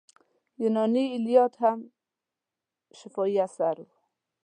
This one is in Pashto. یوناني ایلیاد هم شفاهي اثر و.